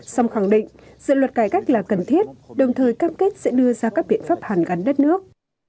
song khẳng định dự luật cải cách là cần thiết đồng thời cam kết sẽ đưa ra các biện pháp hàn gắn đất nước